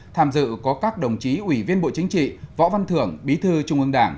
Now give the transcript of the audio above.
tham dự có các đồng chí ủy viên bộ chính trị võ văn thưởng bí thư trung ương đảng